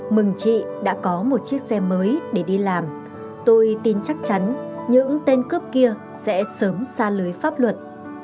mừng chị đã có một chiếc xe mới để đi làm tôi tin chắc chắn những tên cướp kia sẽ sớm xa lưới pháp luật